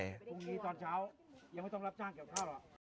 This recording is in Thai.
พรุ่งนี้ตอนเช้ายังไม่ต้องรับจ้างเกี่ยวข้าวหรอก